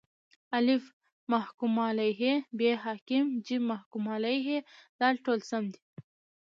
الف: محکوم علیه ب: حاکم ج: محکوم علیه د: ټوله سم دي